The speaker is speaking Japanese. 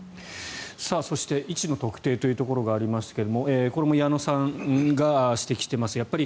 そして、位置の特定というところがありますがこれも矢野さんが指摘しています